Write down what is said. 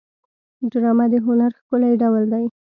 ډرامه د هنر ښکلی ډول دی